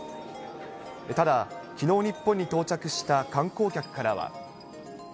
ただきのう日本に到着した観光客からは。